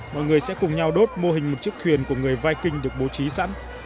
mọi người sẽ cùng nhau đốt mô hình một chiếc thuyền của người ving được bố trí sẵn